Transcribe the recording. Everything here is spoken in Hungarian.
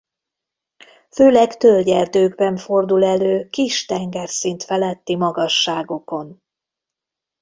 Főleg tölgyerdőkben fordul elő kis tengerszint feletti magasságokon.